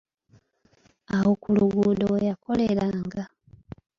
Awo ku luguudo we yakoleranga.